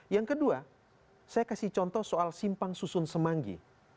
yang kedua saya kasih contoh soal simpang susun semanggi